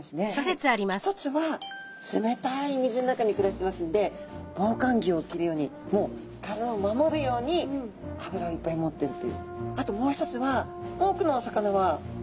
一つは冷たい水の中に暮らしてますんで防寒着を着るように体を守るように脂をいっぱい持ってるという。